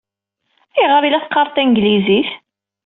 Ayɣer ay la teqqareḍ tanglizit?